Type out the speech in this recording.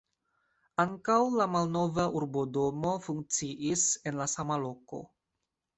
Ankaŭ la malnova urbodomo funkciis en la sama loko.